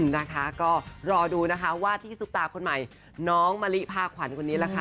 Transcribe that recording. นะคะก็รอดูนะคะว่าที่ซุปตาคนใหม่น้องมะลิพาขวัญคนนี้แหละค่ะ